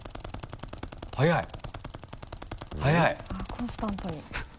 あっコンスタントに。